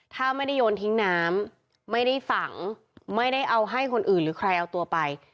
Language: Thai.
ถ้าไม่ได้โยนทิ้งน้ำไม่ได้ฝังไม่ได้เอาให้คนอื่นหรือใครเอาตัวไป